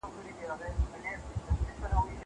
زه به سبا ته فکر وکړم!